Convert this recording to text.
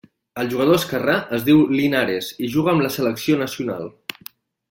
El jugador esquerrà es diu Linares i juga amb la selecció nacional.